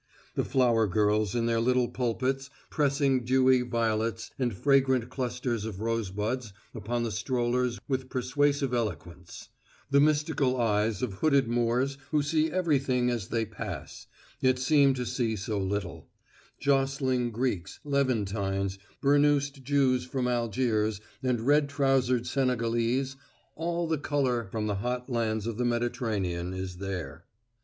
The flower girls in their little pulpits pressing dewy violets and fragrant clusters of rosebuds upon the strollers with persuasive eloquence; the mystical eyes of hooded Moors who see everything as they pass, yet seem to see so little; jostling Greeks, Levantines, burnoosed Jews from Algiers and red trousered Senegalese all the color from the hot lands of the Mediterranean is there.